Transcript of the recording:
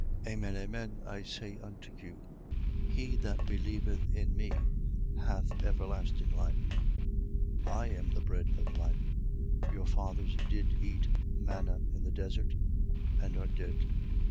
6:47. Amen, amen, I say unto you: He that believeth in me hath everlasting life. 6:48. I am the bread of life. 6:49. Your fathers did eat manna in the desert: and are dead.